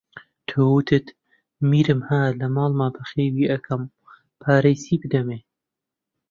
تۆ، وتت: میرم ها لە ماڵما بەخێوی ئەکەم پارەی چی بدەمێ؟